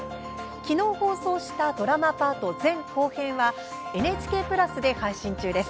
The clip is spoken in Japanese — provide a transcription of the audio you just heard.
昨日、放送したドラマパート前・後編はＮＨＫプラスで配信中です。